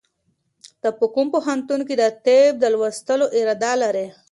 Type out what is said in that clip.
ته په کوم پوهنتون کې د طب د لوستلو اراده لرې؟